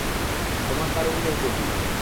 তোমার তারুণ্যের প্রতি!